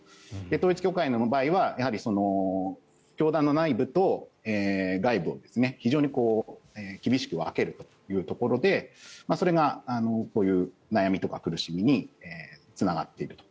統一教会の場合は教団の内部と外部を非常に厳しく分けるというところでそれがこういう悩みとか苦しみにつながっていると。